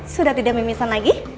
sudah tidak mimisan lagi